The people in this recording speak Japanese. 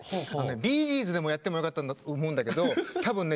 ビージーズでもやってもよかったんだと思うんだけど多分ね